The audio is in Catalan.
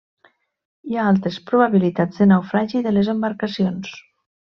Hi ha altes probabilitats de naufragi de les embarcacions.